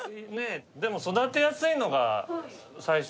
でも育てやすいのが最初は。